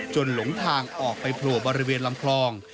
หลงทางออกไปโผล่บริเวณลำคลอง